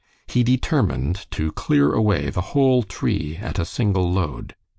He determined to clear away the whole tree at a single load.